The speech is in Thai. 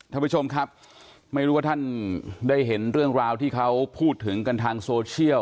ท่านผู้ชมครับไม่รู้ว่าท่านได้เห็นเรื่องราวที่เขาพูดถึงกันทางโซเชียล